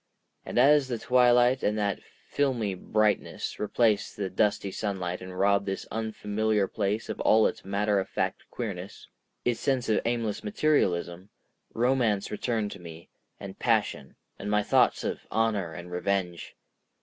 And as the twilight and that filmy brightness replaced the dusty sunlight and robbed this unfamiliar place of all its matter of fact queerness, its sense of aimless materialism, romance returned to me, and passion, and my thoughts of honor and revenge.